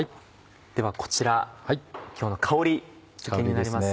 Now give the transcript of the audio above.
ではこちら今日の香りづけになりますね。